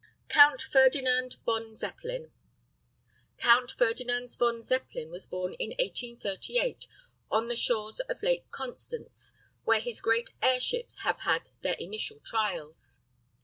COUNT FERDINAND VON ZEPPELIN. COUNT FERDINAND VON ZEPPELIN was born in 1838, on the shores of the Lake Constance, where his great airships have had their initial trials.